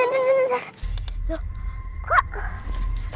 mobilnya nanti ditengah jalan